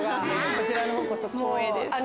こちらのほうこそ光栄です。